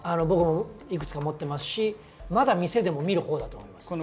僕もいくつか持ってますしまだ店でも見る方だと思います。